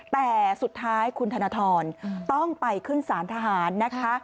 แต่สุดท้ายคุณธนทรต้องไปขึ้นสารทหารนะคะ